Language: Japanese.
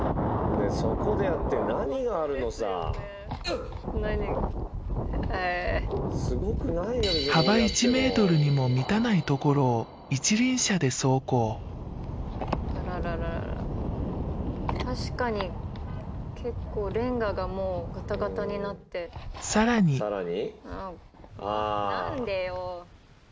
そこでやって何があるのさすごくない幅１ｍにも満たないところを一輪車で走行確かに結構レンガがもうガタガタになってああ何でよ